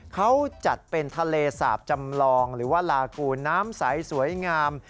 เขาจัดเป็นทะเลสาบจำลองหรือว่าลากูลน้ำใสสวยงาม